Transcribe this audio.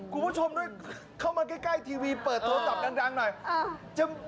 คุณผู้ชมด้วยเข้ามาใกล้ทีวีเปิดโทรศัพท์ดังหน่อย